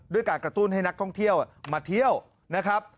ด้วยการกระตุ้นให้นักท่องเที่ยวมาเที่ยวนะครับ